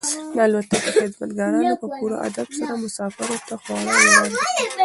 د الوتکې خدمتګارانو په پوره ادب سره مسافرانو ته خواړه وړاندې کړل.